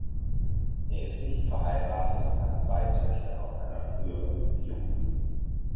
Er ist nicht verheiratet und hat zwei Töchter aus einer früheren Beziehung.